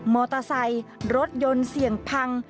มอเตอร์ไซค์รถยนต์เสี่ยงพัง